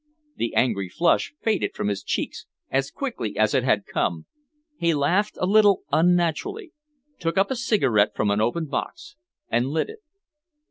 The angry flush faded from his cheeks as quickly as it had come. He laughed a little unnaturally, took up a cigarette from an open box, and lit it.